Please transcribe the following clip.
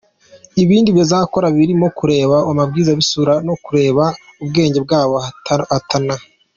Ibindi bazakora birimo kureba ubwiza bw’isura no kureba ubwenge bw’abo bahatana.